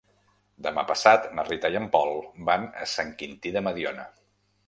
Demà passat na Rita i en Pol van a Sant Quintí de Mediona.